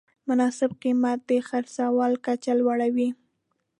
مناسب قیمت د خرڅلاو کچه لوړوي.